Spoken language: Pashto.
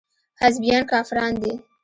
حزبيان کافران دي.